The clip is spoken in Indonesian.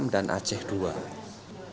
dan aceh ii